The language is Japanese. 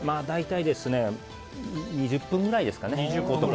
大体２０分ぐらいですね。